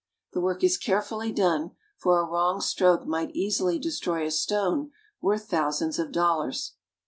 The work is carefully done, for a wrong stroke might easily destroy a stone worth thousands of dollars.